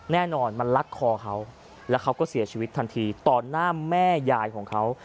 แน่นอนมันลัดคอเขาแล้วเขาก็เสียชีวิตทันทีต่อหน้าแม่ยายของเขา